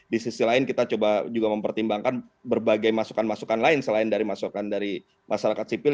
di sisi lain kita coba juga mempertimbangkan berbagai masukan masukan lain selain dari masukan dari masyarakat sipil